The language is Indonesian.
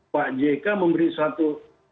pak jk memberi suatu